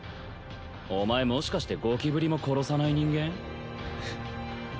お前もしかしてゴキブリも殺さない人間？